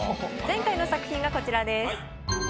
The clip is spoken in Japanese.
前回の作品がこちらです。